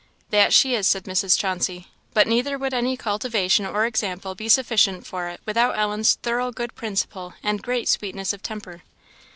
"That she is," said Mrs. Chauncey; "but neither would any cultivation or example be sufficient for it without Ellen's thorough good principle and great sweetness of temper."